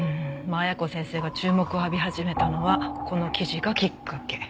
麻弥子先生が注目を浴び始めたのはこの記事がきっかけ。